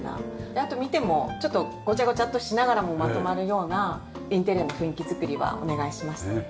あと見てもちょっとゴチャゴチャッとしながらもまとまるようなインテリアの雰囲気作りはお願いしました。